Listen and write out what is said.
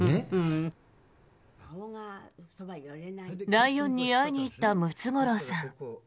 ライオンに会いに行ったムツゴロウさん。